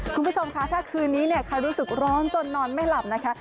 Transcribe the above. คุณผู้ชมคะถ้าคืนนี้เนี่ยใครรู้สึกร้อนจนนอนไม่หลับนะคะ